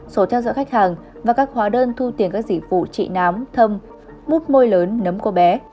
sổ theo dõi khách hàng và các hóa đơn thu tiền các dịch vụ trị nám thâm mút môi lớn nấm cô bé